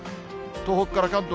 東北から関東